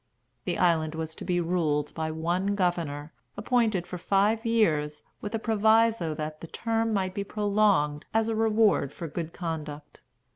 The island was to be ruled by one governor, appointed for five years, with a proviso that the term might be prolonged as a reward for good conduct.